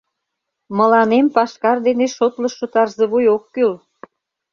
Мыланем пашкар дене шотлышо Тарзывуй ок кӱл!